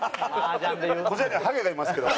こちらにはハゲがいますけど。